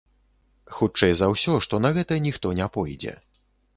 Хутчэй за ўсё, што на гэта ніхто не пойдзе.